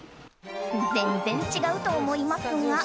全然違うと思いますが。